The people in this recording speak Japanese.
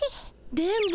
電ボ